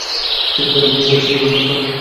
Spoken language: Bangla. তিনি ক্যালিফোর্নিয়া ও টেক্সাসে বসবাস করেন।